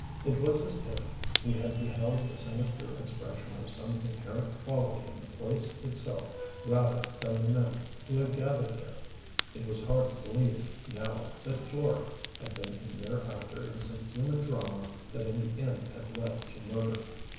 It was as if we had beheld the sinister expression of some inherent quality in the place itself rather than the men who had gathered there. It was hard to believe, now, that Florey had been a mere actor in some human drama that in the end had led to murder.